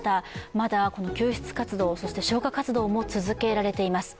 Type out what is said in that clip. まだこの救出活動そして消火活動も続けられています。